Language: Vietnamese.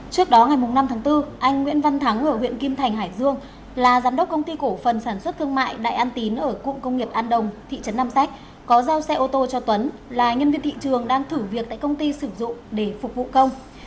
trước đó ngày năm tháng bốn anh nguyễn văn thắng ở huyện kim thành hải dương là giám đốc công ty cổ phần sản xuất thương mại đại an tín ở cụng công nghiệp an đồng thị trấn nam sách có giao xe ô tô cho tuấn là nhân viên thị trường đang thử việc tại công ty sử dụng để phục vụ công